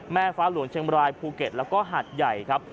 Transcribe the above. ฟ้าหลวงเชียงบรายภูเก็ตแล้วก็หาดใหญ่ครับ